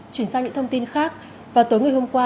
chuyển sang những thông tin khác vào tối ngày hôm qua